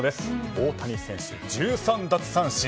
大谷選手、１３奪三振。